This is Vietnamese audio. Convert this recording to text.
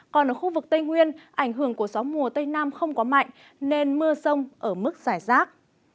còn ở khu vực tây nguyên ảnh hưởng của gió mùa tây nam không có mạnh nên mưa sông ở mức giải rác